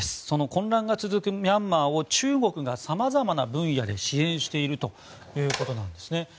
その混乱が続くミャンマーを中国が様々な分野で支援しているということなんですね。